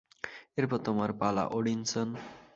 এরপর তোমার পালা, ওডিনসন!